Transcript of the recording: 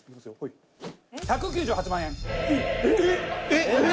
１９８万。